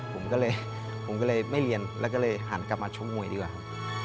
ผมก็เลยไม่เรียนแล้วก็เลยหันกลับมาชบมวยดีกว่า